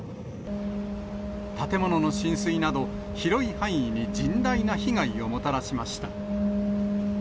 建物の浸水など、広い範囲に甚大な被害をもたらしました。